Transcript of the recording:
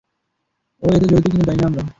ও এতে জড়িত কি না, জানি না আমরা।